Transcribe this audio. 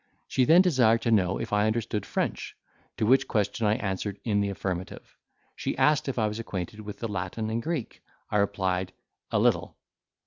She then desired to know if I understood French. To which question I answered in the affirmative. She asked if I was acquainted with the Latin and Greek? I replied, "A little."